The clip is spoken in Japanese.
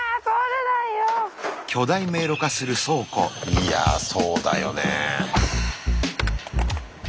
いやそうだよね。